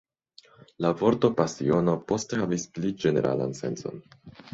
La vorto pasiono poste havis pli ĝeneralan sencon.